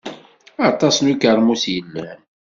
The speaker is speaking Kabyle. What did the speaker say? Aṭas n ukermus i yellan.